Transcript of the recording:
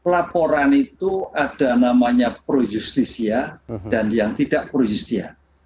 laporan itu ada namanya pro justisia dan yang tidak pro justia